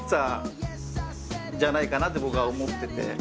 って僕は思ってて。